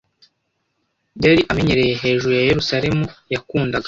yari amenyereye hejuru ya Yerusalemu yakundaga